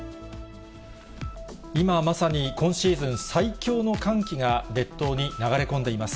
今まさに、今シーズン最強の寒気が列島に流れ込んでいます。